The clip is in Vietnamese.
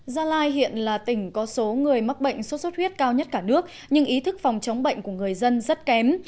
gia lai hiện là tỉnh có số người mắc bệnh sốt xuất huyết cao nhất cả nước nhưng ý thức phòng chống bệnh của người dân rất kém